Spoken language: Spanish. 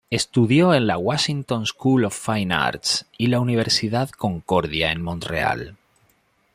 Estudió en la Washington School of Fine Arts y la Universidad Concordia en Montreal.